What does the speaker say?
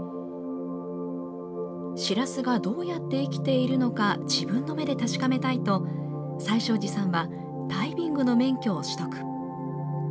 しらすがどうやって生きているのか自分の目で確かめたいと、最勝寺さんは、ダイビングの免許を取得。